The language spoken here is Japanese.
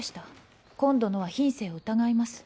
今度のは品性を疑います。